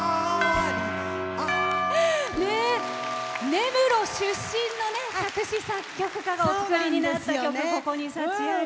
根室出身の作詞・作曲家の方がお作りになった「ここに幸あり」。